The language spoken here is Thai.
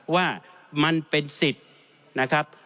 ว่ามันเป็นสิทธิ์นะครับ